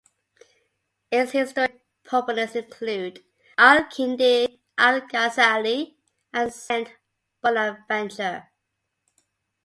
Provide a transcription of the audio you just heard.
Its historic proponents include Al-Kindi, Al-Ghazali, and Saint Bonaventure.